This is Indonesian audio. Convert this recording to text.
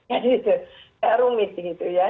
jadi itu rumit gitu ya